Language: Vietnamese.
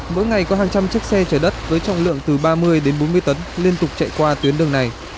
mỗi ngày có hàng trăm chiếc xe chở đất với trọng lượng từ ba mươi đến bốn mươi tấn liên tục chạy qua tuyến đường này